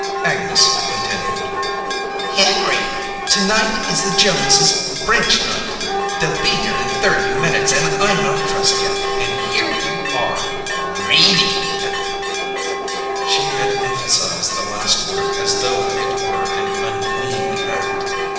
Agnes continued, "Henry, tonight is the Jones' bridge night. They'll be here in thirty minutes and I'm not dressed yet, and here you are ... reading." She had emphasized the last word as though it were an unclean act.